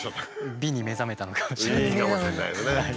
美に目覚めたのかもしれないですけど。